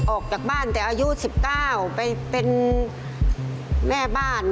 ออกจากบ้านแต่อายุ๑๙ไปเป็นแม่บ้าน